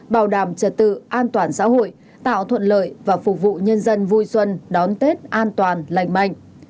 bảo đảm trật tự an toàn xã hội tạo thuận lợi và phục vụ nhân dân vui xuân đón tết an toàn lành mạnh